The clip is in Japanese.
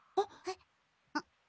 あっ！